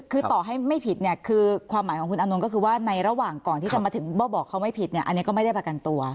คือต่อให้ไม่ผิดเนี่ยคือความหมายของคุณอานนท์ก็คือว่าในระหว่างก่อนที่จะมาถึงว่าบอกเขาไม่ผิดเนี่ยอันนี้ก็ไม่ได้ประกันตัว